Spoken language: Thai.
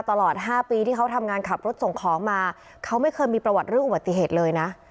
ตลอด๕ปีที่เขาทำงานขับรถส่งของมาเขาไม่เคยมีประวัติเรื่องอุบัติเหตุเลยนะ